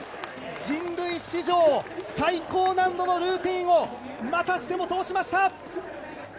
人類史上最高難度のルーティンをまたしても通しました。